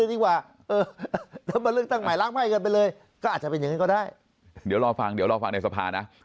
โดยดีกว่านะมันเริ่มตั้งใหม่ล้างไพ่เกินไปเลยก็อาจจะเป็นเงยก็ได้เดี๋ยวเราฟน์เดี๋ยวเราฟังได้สภานะ